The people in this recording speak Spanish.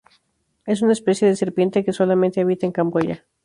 Es una especie de serpiente que solamente habita en Camboya.